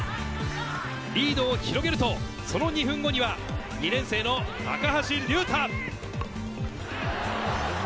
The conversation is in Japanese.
リードを広げると、その２分後には２年生の高橋隆大。